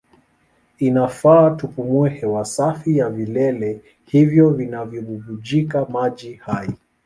Inafaa tupumue hewa safi ya vilele hivyo vinavyobubujika maji hai.